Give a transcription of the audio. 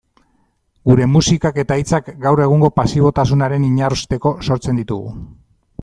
Gure musikak eta hitzak gaur egungo pasibotasunaren inarrosteko sortzen ditugu.